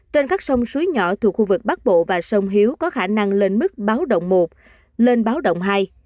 trên các sông suối nhỏ thuộc khu vực bắc bộ và sông hiếu có khả năng lên mức báo động một lên báo động hai